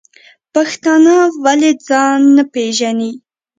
پښتانه ولی ځان نه پیژنی؟